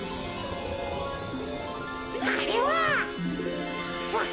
あれは！